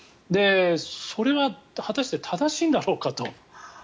それは果たして正しいんだろうかと。